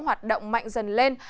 hoạt động mạnh dần lên